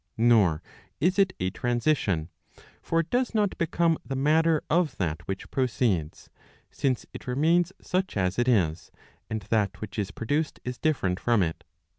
Nor is it a transition. For it does not become the matter of that which proceeds; since it remains such as it is, and that which is produced is different from it.